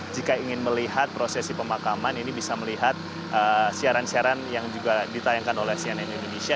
jika ingin melihat prosesi pemakaman ini bisa melihat siaran siaran yang juga ditayangkan oleh cnn indonesia